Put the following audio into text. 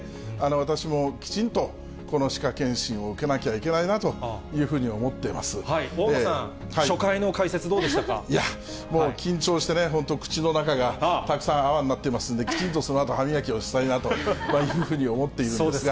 私もきちんとこの歯科検診を受けなきゃいけないなというふうに思大野さん、いや、もう緊張してね、本当、口の中がたくさん泡になっていますので、きちんとそのあと歯磨きをしたいなというふうに思っているんですが。